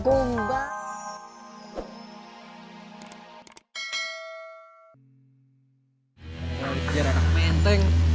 jangan berjalan jalan penting